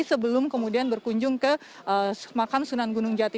sebelum kemudian berkunjung ke makam sunan gunung jati